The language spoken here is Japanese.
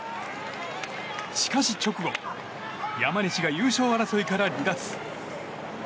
しかし、直後山西が優勝争いから離脱。